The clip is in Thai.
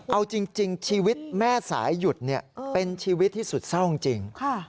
เอาจริงชีวิตแม่สายหยุดเป็นชีวิตที่สุดเศร้าจริง